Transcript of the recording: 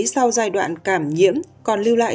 sau giai đoạn cảm nhiễm còn lưu lại